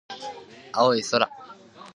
青い空、綺麗な湖